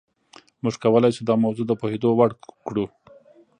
موږ کولای شو دا موضوع د پوهېدو وړ کړو.